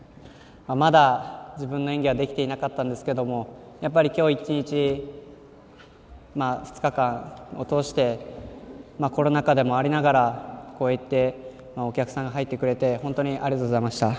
まだ自分の演技はできていなかったんですけども今日１日、２日間を通してコロナ禍でもありながらこうやってお客さんが入ってくれて本当にありがとうございました。